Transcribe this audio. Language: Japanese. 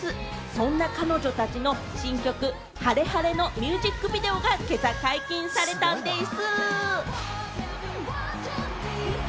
そんな彼女たちの新曲『ＨａｒｅＨａｒｅ』のミュージックビデオが今朝解禁されたんでぃす。